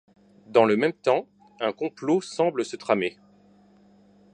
Dans le même temps, un complot semble se tramer.